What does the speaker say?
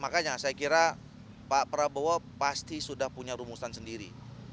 makanya saya kira pak prabowo pasti sudah punya rumusan sendiri